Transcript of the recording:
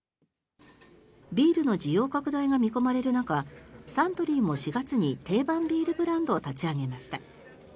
ビールの需要拡大が見込まれる中サントリーも４月に定番ビールブランドを立ち上げました。